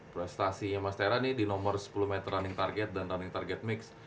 prestasinya mas tera nih di nomor sepuluh meter running target dan running target mix